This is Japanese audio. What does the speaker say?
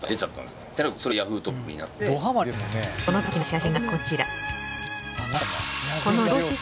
そのときの写真がこちら。